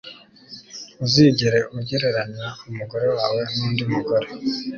Ntuzigere ugereranya umugore wawe nundi mugore